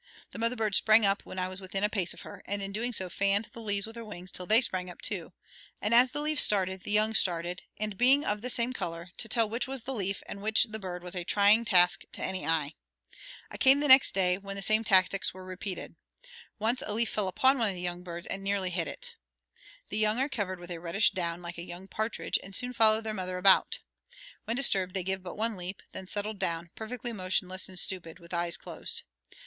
The mother bird sprang up when I was within a pace of her, and in doing so fanned the leaves with her wings till they sprang up too; as the leaves started the young started, and, being of the same color, to tell which was the leaf and which the bird was a trying task to any eye. I came the next day, when the same tactics were repeated. Once a leaf fell upon one of the young birds and nearly hid it. The young are covered with a reddish down like a young partridge, and soon follow their mother about. When disturbed, they gave but one leap, then settled down, perfectly motionless and stupid, with eyes closed.